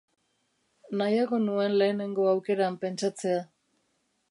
Nahiago nuen lehenengo aukeran pentsatzea.